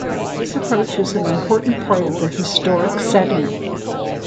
This approach is an important part of the historic setting.